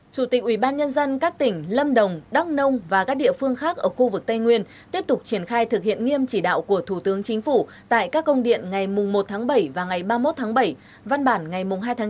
chủ tịch ubnd các tỉnh lâm đồng đắk nông và các địa phương khác ở khu vực tây nguyên tiếp tục triển khai thực hiện nghiêm chỉ đạo của thủ tướng chính phủ tại các công điện ngày một tháng bảy và ngày ba mươi một tháng bảy văn bản ngày hai tháng chín